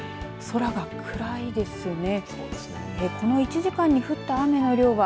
空が暗いですね。